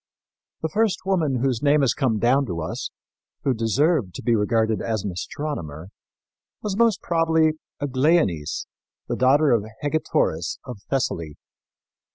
The first woman whose name has come down to us, who deserved to be regarded as an astronomer, was most probably Aglaonice, the daughter of Hegetoris of Thessaly.